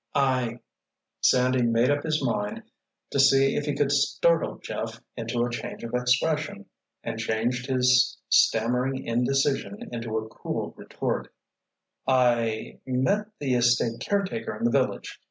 "I—" Sandy made up his mind to see if he could startle Jeff into a change of expression and changed his stammering indecision into a cool retort: "I—met the estate caretaker in the village.